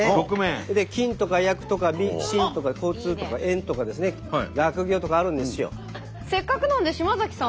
それで「金」とか「厄」とか「身」とか「交通」とか「縁」とか「学業」とかあるんですよ。